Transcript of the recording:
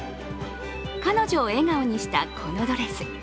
彼女を笑顔にした、このドレス。